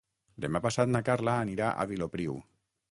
Demà passat na Carla anirà a Vilopriu.